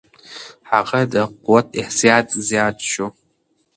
هغه د قوت احساس زیات شو.